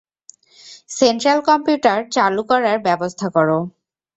Central computer চালু করার ব্যবস্থা কর।